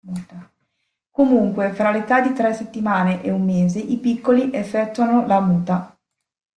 Comunque, tra l'età di tre settimane e un mese, i piccoli effettuano la muta.